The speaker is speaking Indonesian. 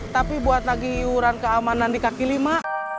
tapi buat lagi iuran keamanan di kaki lima